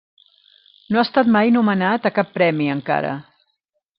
No ha estat mai nomenat a cap premi encara.